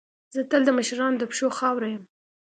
زه تل د مشرانو د پښو خاوره یم.